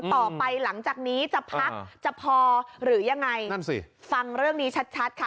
ต่อไปหลังจากนี้จะพักจะพอหรือยังไงนั่นสิฟังเรื่องนี้ชัดชัดค่ะ